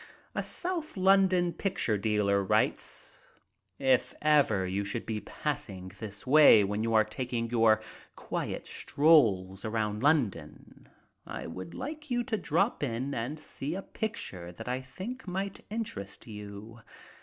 A South London picture dealer writes: "If ever you should be passing this way when you are taking your quiet strolls around London, I would like you to drop in and see a picture that I think might interest you.